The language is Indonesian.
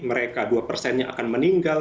mereka dua persennya akan meninggal